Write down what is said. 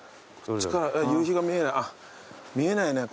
こっちから夕日が見えない？